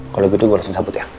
kalau gitu gue langsung cabut ya